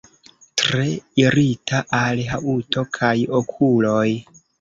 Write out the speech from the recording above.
Tre irita al haŭto kaj okuloj.